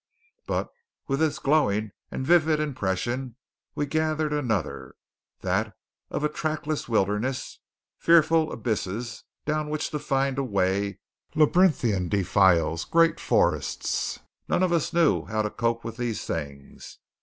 But with this glowing and vivid impression we gathered another: that of a trackless wilderness, fearful abysses down which to find a way, labyrinthine defiles, great forests. None of us knew how to cope with these things.